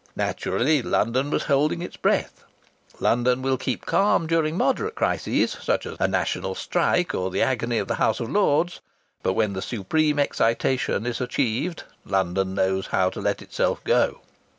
Naturally, London was holding its breath. London will keep calm during moderate crises such as a national strike or the agony of the House of Lords but when the supreme excitation is achieved London knows how to let itself go.